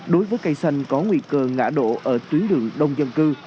đối với cây xanh có nguy cơ ngã đổ ở tuyến đường đông dân cư